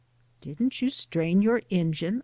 '^ Didn*t you strain your engine!